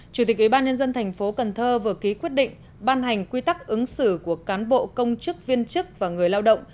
chủ tịch ubnd tp cần thơ vừa ký quyết định ban hành quy tắc ứng xử của cán bộ công chức viên chức và người lao động